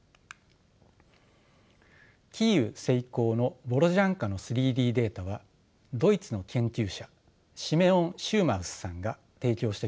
キーウ西郊のボロジャンカの３Ｄデータはドイツの研究者シメオン・シューマウスさんが提供してくれました。